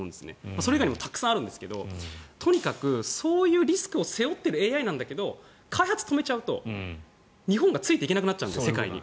それ以外にもたくさんあるんですけどとにかく、そういうリスクを背負っているＡＩだけど開発を止めちゃうと日本がついていけなくなるんです世界に。